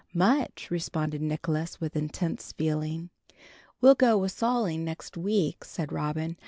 "Much," responded Nicholas, with intense feeling. "We'll go a wassailing next week," said Robin.